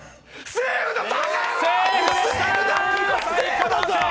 セーフだぜ！！